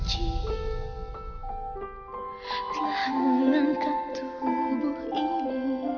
tuhan menangkap tubuh ini